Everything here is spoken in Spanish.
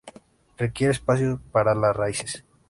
Requiere espacio para las raíces.